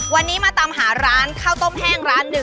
วันนี้มาตามหาร้านข้าวต้มแห้งร้านหนึ่ง